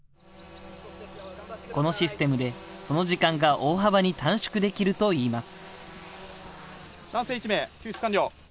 このシステムで、その時間が大幅に短縮できるといいます。